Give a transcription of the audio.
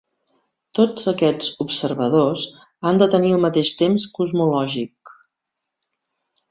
Tots aquests observadors han de tenir el mateix temps cosmològic.